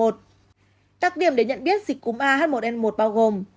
đặc điểm để nhận biết dịch cúm ah một n một bao gồm